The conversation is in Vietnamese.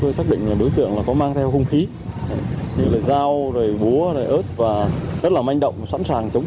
tôi xác định đối tượng có mang theo khung khí như là dao búa ớt và rất là manh động sẵn sàng chống